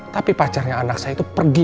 tapi pacarnya anak saya itu pergi